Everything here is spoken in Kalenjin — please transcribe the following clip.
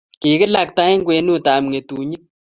Kikilaktak eng' kwenutab ng'etung'ik